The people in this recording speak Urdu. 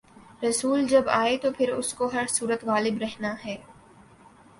رسول جب آ جائے تو پھر اس کو ہر صورت غالب رہنا ہے۔